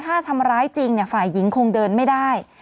ถ้าทำร้ายจริงฝ่ายหญิงคงเดินไม่ได้